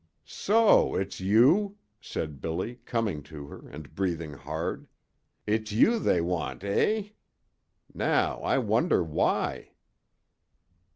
"So it's you?" said Billy, coming to her, and breathing hard. "It's you they want, eh? Now, I wonder why?"